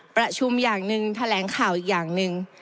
ประชุมอย่างหนึ่งแถลงข่าวอีกอย่างหนึ่ง